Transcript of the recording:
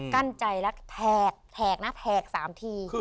กั้นใจแล้วแทก๓ที